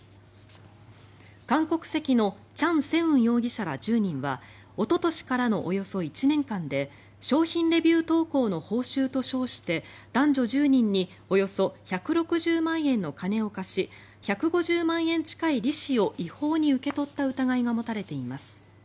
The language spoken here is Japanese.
韓国籍のチャン・セウン容疑者ら１０人はおととしからのおよそ１年間で商品レビュー投稿の報酬と称して男女１０人におよそ１６０万円の金を貸し１５０万円近い利子を違法に受け取った疑いが持たれています。